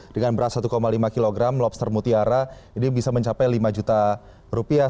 dengan beras satu lima kg lobster mutiara ini bisa mencapai lima juta rupiah